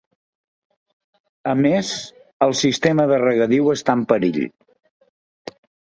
A més, el sistema de regadiu està en perill.